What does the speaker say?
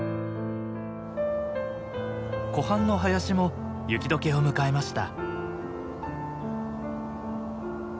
湖畔の林も雪解けを迎えました。